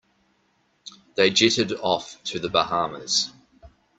They jetted off to the Bahamas.